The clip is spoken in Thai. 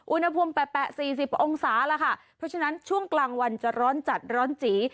อุณหภูมิแปะแปะสี่สิบองศาแล้วค่ะเพราะฉะนั้นช่วงกลางวันจะร้อนจัดร้อนจี